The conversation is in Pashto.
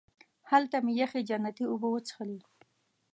هلته مې یخې جنتي اوبه وڅښلې.